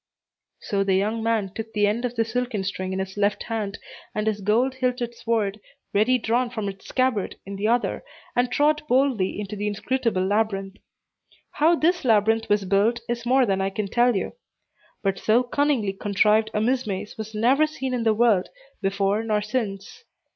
So the young man took the end of the silken string in his left hand, and his gold hilted sword, ready drawn from its scabbard, in the other, and trod boldly into the inscrutable labyrinth. How this labyrinth was built is more than I can tell you. But so cunningly contrived a mizmaze was never seen in the world, before nor since.